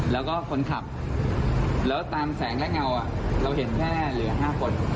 แล้วก็คนขับแล้วตามแสงและเงาเราเห็นแค่เหลือ๕คน